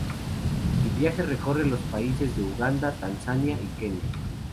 El viaje recorre los países de Uganda, Tanzania y Kenia.